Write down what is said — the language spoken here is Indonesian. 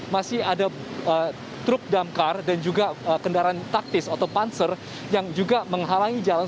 masih ada truk damkar dan juga kendaraan taktis atau panser yang juga menghalangi jalan